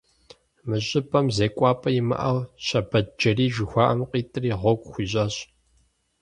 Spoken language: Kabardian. Мы щӀыпӀэм зекӀуапӀэ имыӀэу Щэбэтджэрий жыхуаӀэм къитӀри, гъуэгу хуищӀащ.